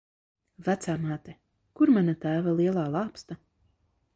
Vecāmāte, kur mana tēva lielā lāpsta?